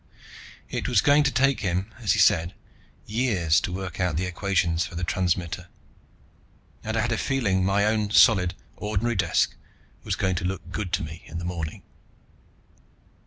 It was going to take him, as he said, years to work out the equations for the transmitter. And I had a feeling my own solid, ordinary desk was going to look good to me in the morning.